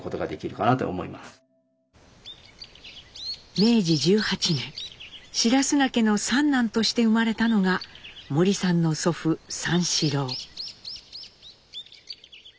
明治１８年白砂家の三男として生まれたのが森さんの祖父三四郎。